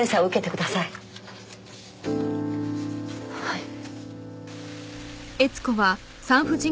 はい。